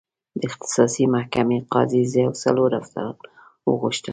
د اختصاصي محکمې قاضي زه او څلور افسران وغوښتل.